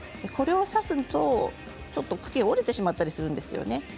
これを挿すとちょっと茎が折れてしまったりするんですよね。